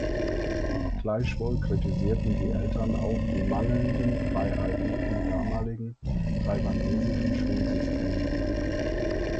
Gleichwohl kritisierten die Eltern auch die mangelnden Freiheiten im damaligen taiwanesischen Schulsystem.